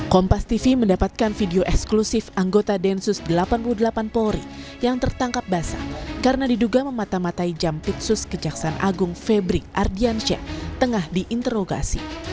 kompas tv mendapatkan video eksklusif anggota densus delapan puluh delapan pori yang tertangkap basah karena diduga mematamatai jampi sus ke jaksan agung febri ardiansyah tengah diinterogasi